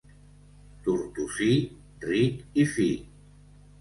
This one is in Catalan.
Tortosí, ric i fi.